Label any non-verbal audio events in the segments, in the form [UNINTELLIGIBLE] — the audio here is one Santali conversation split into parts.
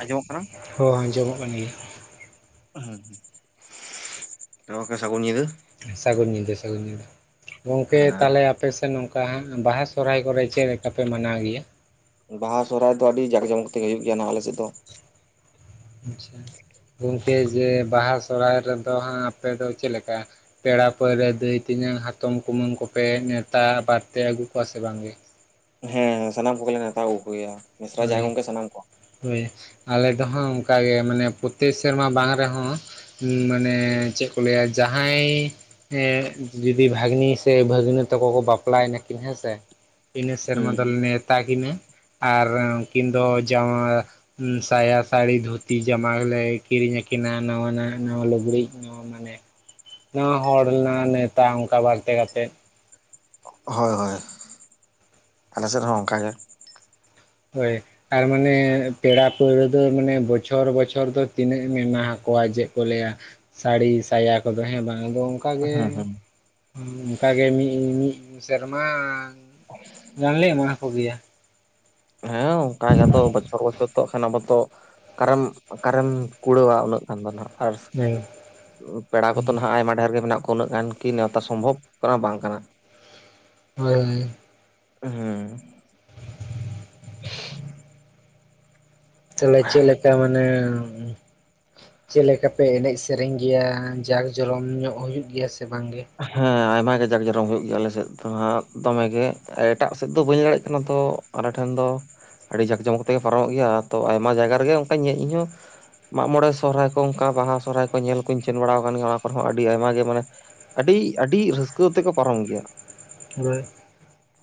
ᱟᱸᱡᱚᱢᱚᱜ ᱠᱟᱱᱟ ᱦᱚᱸ ᱟᱸᱡᱚᱢᱚᱜ ᱠᱟᱱ ᱜᱮᱭᱟ ᱦᱩᱢ ᱛᱚ ᱜᱟᱝᱠᱮ ᱥᱟᱹᱜᱩᱱ ᱧᱤᱫᱟᱹ᱾ ᱥᱟᱹᱜᱩᱱ ᱧᱤᱫᱟᱹ ᱥᱟᱹᱜᱩᱱ ᱧᱤᱫᱟᱹ᱾ ᱜᱚᱝᱠᱮ ᱛᱟᱦᱚᱞᱮ ᱟᱯᱮ ᱥᱮᱱ ᱱᱚᱝᱠᱟ ᱦᱟ ᱵᱟᱦᱟ ᱥᱚᱦᱨᱟᱭ ᱠᱚᱨᱮ ᱪᱮᱫ ᱞᱮᱠᱟ ᱯᱮ ᱢᱟᱱᱟᱣ ᱜᱮᱭᱟ? ᱵᱟᱦᱟ ᱥᱚᱦᱨᱟᱭ ᱫᱚ ᱟᱹᱰᱤ ᱡᱟᱠ ᱡᱚᱢᱚᱠ ᱛᱮᱜᱮ ᱦᱩᱭᱩᱜ ᱜᱮᱭᱟ ᱱᱟᱦᱟᱜ ᱟᱞᱮᱥᱮᱫ ᱫᱚ᱾ ᱟᱪᱷᱟ ᱜᱚᱝᱠᱮ ᱡᱮ ᱵᱟᱦᱟ ᱥᱚᱦᱨᱟᱭ ᱨᱮᱫᱚ ᱦᱟᱸᱜ ᱟᱯᱮ ᱫᱚ ᱪᱮᱫ ᱞᱮᱠᱟ? ᱯᱮᱲᱟ ᱯᱟᱹᱦᱲᱟᱹ, ᱫᱟᱹᱭᱼᱛᱤᱧᱟᱝ, ᱦᱟᱛᱚᱢᱼᱠᱩᱢᱟᱹᱝ, ᱠᱚᱯᱮ ᱱᱮᱶᱛᱟ ᱵᱟᱲᱛᱮ ᱟᱹᱜᱩ ᱠᱚᱣᱟ ᱥᱮ ᱵᱟᱝᱜᱮ? ᱦᱮᱸ ᱥᱟᱱᱟᱢ ᱠᱚᱜᱮᱞᱮ ᱱᱮᱣᱛᱟ ᱟᱹᱜᱩ ᱠᱚᱜᱮᱭᱟ ᱢᱤᱥᱨᱟᱼᱡᱟᱣᱟᱭ ᱦᱳᱭ ᱜᱚᱝᱠᱮ ᱥᱟᱱᱟᱢ ᱠᱚ᱾ ᱦᱳᱭ ᱟᱞᱮ ᱫᱚᱦᱟ ᱚᱱᱠᱟ ᱜᱮ ᱢᱟᱱᱮ ᱯᱚᱨᱛᱮᱠ ᱥᱮᱨᱢᱟ ᱵᱟᱝ ᱨᱮᱦᱚᱸ ᱢᱟᱱᱮ ᱪᱮᱫ ᱠᱚ ᱞᱟᱹᱭᱟ ᱡᱟᱦᱟᱸᱭ ᱮᱫ ᱡᱩᱫᱤ ᱵᱷᱟᱹᱜᱽᱱᱤ ᱥᱮ ᱵᱷᱟᱹᱜᱽᱱᱟᱹ ᱛᱟᱠᱚ ᱠᱚ ᱵᱟᱯᱞᱟᱭᱱᱟ ᱠᱤᱱ ᱦᱮᱸ ᱥᱮ? ᱤᱱᱟᱹ ᱥᱮᱨᱢᱟ ᱦᱩᱸ ᱫᱚᱞᱮ ᱱᱮᱣᱛᱟ ᱠᱤᱱᱟᱹ, ᱟᱨ ᱩᱱᱠᱤᱱ ᱫᱚ ᱡᱣᱟᱭ ᱩᱢ ᱥᱟᱭᱟ ᱥᱲᱤ ᱫᱷᱩ ᱛᱤ ᱡᱟᱢᱟ ᱠᱚᱞᱮ ᱠᱤᱨᱤᱧ ᱟᱠᱤᱱᱟ ᱱᱟᱣᱟ ᱱᱟ ᱱᱟᱣᱟ ᱞᱩᱜᱽᱲᱤᱡ ᱱᱚᱣᱟ ᱢᱟᱱᱮ, ᱱᱚᱣᱟ ᱦᱚᱲ ᱨᱮᱱᱟᱜ ᱱᱮᱶᱛᱟ ᱚᱱᱠᱟ ᱵᱟᱲᱛᱮ ᱠᱟᱛᱮᱫ᱾ ᱦᱳᱭ ᱦᱳᱭ ᱟᱞᱮ ᱥᱮᱫ ᱦᱚᱸ ᱚᱱᱠᱟᱜ ᱜᱮ᱾ ᱦᱳᱭ ᱟᱨ ᱢᱟᱱᱮ ᱯᱮᱲᱟ ᱯᱟᱹᱦᱲᱟᱹ ᱫᱚ ᱢᱟᱱᱮ ᱵᱚᱪᱷᱚᱨ ᱵᱚᱪᱷᱚᱨ ᱫᱚ ᱛᱤᱱᱟᱹᱜ ᱮᱢ ᱮᱢᱟ ᱟᱠᱚᱣᱟ ᱡᱮᱫ ᱠᱚ ᱞᱟᱹᱭᱟ, ᱥᱟᱲᱤ ᱥᱟᱭᱟ ᱠᱚᱫᱚ ᱦᱮᱸ ᱵᱟᱝ ᱟᱫᱚ, ᱚᱱᱠᱟᱜᱮ ᱦᱮᱸ ᱦᱮᱸ ᱚᱱᱠᱟᱜᱮ ᱢᱤᱫ ᱢᱤᱫ ᱥᱮᱨᱢᱟ [INAUDIBLE] ᱜᱟᱱᱞᱮ ᱮᱢᱟ ᱦᱟᱠᱚ ᱜᱮᱭᱟ᱾ ᱦᱮᱸ ᱚᱱᱠᱟ ᱜᱮ ᱟᱫᱚ ᱵᱚᱪᱷᱚᱨ ᱵᱚᱪᱷᱚᱨ ᱛᱚᱠᱷᱟᱱ ᱟᱵᱚᱛᱚ ᱠᱟᱨᱮᱢ ᱚᱠᱟᱨᱮᱢ ᱠᱩᱲᱟᱹᱣᱟ ᱩᱱᱟᱹᱜ ᱜᱟᱱ ᱫᱚ ᱱᱟᱦᱟᱜ᱾ ᱟᱨ ᱦᱮᱸ ᱯᱮᱲᱟ ᱠᱚᱫᱚ ᱱᱟᱦᱟᱜ ᱟᱭᱢᱟ ᱰᱷᱮᱨ ᱜᱮ ᱢᱮᱱᱟᱜ ᱠᱚᱣᱟ ᱩᱱᱟᱹᱜ ᱜᱟᱱ ᱠᱤ ᱱᱮᱶᱛᱟ ᱥᱚᱢᱵᱷᱚᱵ ᱠᱟᱱᱟ ᱵᱟᱝ ᱠᱟᱱᱟ᱾ ᱦᱳᱭ ᱦᱩᱸ ᱛᱟᱦᱚᱞᱮ ᱪᱮᱫ ᱞᱮᱠᱟ ᱢᱟᱱᱮ ᱪᱮᱫ ᱞᱮᱠᱟ ᱯᱮ ᱮᱱᱮᱡ ᱥᱮᱨᱮᱧ ᱜᱮᱭᱟ, ᱡᱟᱠ ᱡᱚᱨᱚᱢ ᱧᱚᱜ ᱦᱩᱭᱩᱜ ᱜᱮᱭᱟ ᱥᱮ ᱵᱟᱝ ᱜᱮ? ᱦᱮᱸ ᱟᱭᱢᱟ ᱜᱮ ᱡᱟᱠ ᱡᱚᱨᱚᱢ ᱦᱩᱭᱩᱜ ᱜᱮᱭᱟ ᱟᱞᱮ ᱥᱮᱫ ᱫᱚ ᱦᱟᱫ ᱫᱚᱢᱮ ᱜᱮ ᱮᱴᱟᱜ ᱥᱮᱫ ᱫᱚ ᱵᱟᱹᱧ ᱫᱟᱲᱭᱟᱜ ᱠᱟᱱᱟ ᱛᱚ, ᱟᱞᱮ ᱴᱷᱮᱱ ᱫᱚ ᱟᱹᱰᱤ ᱡᱟᱠ ᱡᱚᱢᱚᱠ ᱛᱮᱜᱮ ᱯᱟᱨᱚᱢᱚᱜ ᱜᱮᱭᱟ ᱛᱚ ᱟᱭᱢᱟ ᱡᱟᱭᱜᱟ ᱨᱮᱜᱮ ᱚᱱᱠᱟᱧ ᱧᱮᱸᱜ ᱤᱧᱦᱚᱸ ᱢᱟᱜ ᱢᱚᱬᱮ ᱥᱚᱨᱦᱟᱭ ᱠᱚ ᱚᱱᱠᱟ ᱵᱟᱦᱟ ᱥᱚᱨᱦᱟᱭ ᱠᱚ ᱧᱮᱞ ᱠᱚᱧ ᱥᱮᱱ ᱵᱟᱲᱟ ᱟᱠᱟᱱ ᱜᱮᱭᱟ ᱚᱱᱟ ᱠᱚᱨᱮ ᱦᱚᱸ ᱟᱹᱰᱤ ᱟᱭᱢᱟ ᱜᱮ ᱢᱟᱱᱮ, ᱟᱹᱰᱤᱡ ᱟᱹᱰᱤᱡ ᱨᱟᱹᱥᱠᱟᱹ ᱛᱮᱠᱚ ᱯᱟᱨᱚᱢ ᱜᱮᱭᱟ᱾ ᱦᱳᱭ